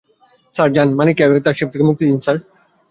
Sir, যান আর মানিকমকে তার শিফট থেকে মুক্তি দিন, স্যার।